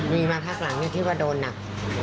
มีมาภาคหลังนี่ที่ว่าโดนหนัก